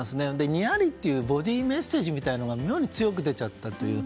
ニヤリというボディーメッセージが妙に強く出ちゃったという。